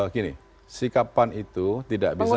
gini sikapan itu tidak bisa